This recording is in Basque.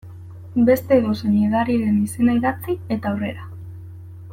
Beste edozein edariren izena idatzi, eta aurrera.